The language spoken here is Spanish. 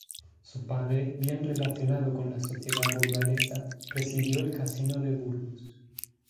Su padre, bien relacionado con la sociedad burgalesa, presidió el Casino de Burgos.